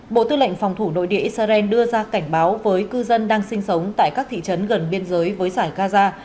bộ tư lệnh phòng thủ nội địa israel đưa ra cảnh báo với cư dân đang sinh sống tại các thị trấn gần biên giới với giải gaza